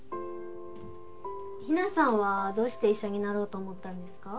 日奈さんはどうして医者になろうと思ったんですか？